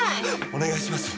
お願いします。